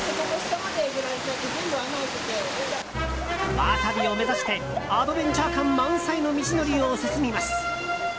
ワサビを目指してアドベンチャー感満載の道のりを進みます。